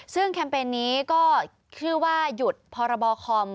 ซึ่งแคมเปญนี้ก็คือว่าหยุดพรบคอม